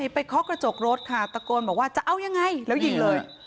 เคาะกระจกรถค่ะตะโกนบอกว่าจะเอายังไงแล้วยิงเลย